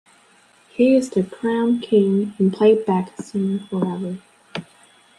He is the crown king in playback singing forever.